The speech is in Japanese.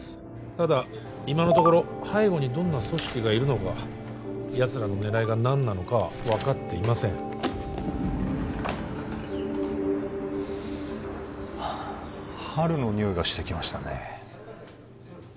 ただ今のところ背後にどんな組織がいるのかやつらの狙いが何なのかは分かっていませんはあ春のにおいがしてきましたね